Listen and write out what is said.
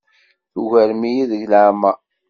Tugarem-iyi deg leɛmeṛ.